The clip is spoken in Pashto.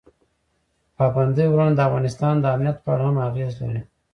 پابندی غرونه د افغانستان د امنیت په اړه هم اغېز لري.